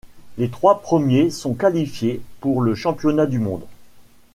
Les trois premiers sont qualifiés pour le championnat du monde.